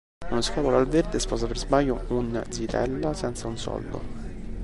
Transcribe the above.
Uno scapolo al verde sposa per sbaglio un zitella senza un soldo.